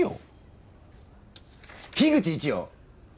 樋口一葉！